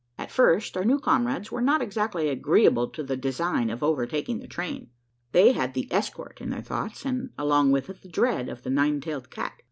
At first, our new comrades were not exactly agreeable to the design of overtaking the train. They had the escort in their thoughts, and along with it, the dread of the nine tailed cat.